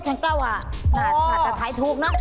ฉันก็ว่าน่าจะถ่ายถูกนะ